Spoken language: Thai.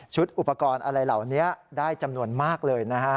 อุปกรณ์อะไรเหล่านี้ได้จำนวนมากเลยนะฮะ